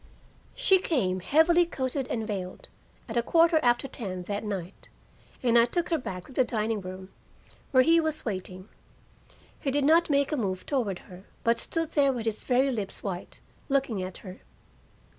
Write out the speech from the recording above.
She came, heavily coated and veiled, at a quarter after ten that night, and I took her back to the dining room, where he was waiting. He did not make a move toward her, but stood there with his very lips white, looking at her.